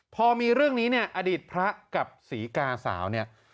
พอมีเรื่องนี้เนี่ยอดีตพระกับศรีกาสาวเนี่ย